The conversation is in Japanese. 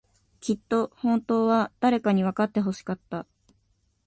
きっと、本当は、誰かにわかってほしかった。